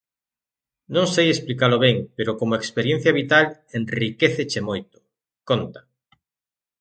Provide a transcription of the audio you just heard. Non sei explicalo ben, pero como experiencia vital enriquéceche moito, conta.